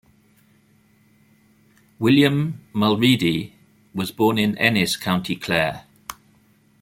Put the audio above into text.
William Mulready was born in Ennis, County Clare.